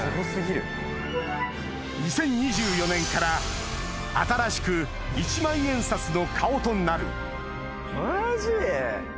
２０２４年から新しく一万円札の顔となるマジ？